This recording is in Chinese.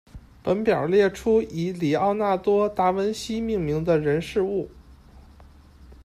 本列表列出以李奥纳多·达文西命名的人事物。